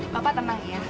bapak tenang ya